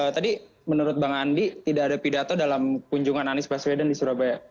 tadi menurut bang andi tidak ada pidato dalam kunjungan anies baswedan di surabaya